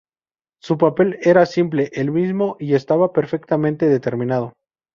Su papel era siempre el mismo y estaba perfectamente determinado.